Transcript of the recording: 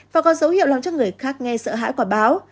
và có dấu hiệu làm cho người khác nghe sợ hãi quả báo